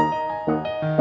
nggak ada apa apa